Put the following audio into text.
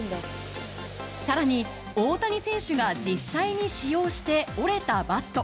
更に、大谷選手が実際に使用して折れたバット。